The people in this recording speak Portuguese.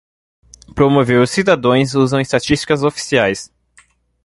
Promover os cidadãos usam estatísticas oficiais.